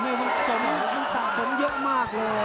สารภาพนั้นมันสะสมเยอะมากเลย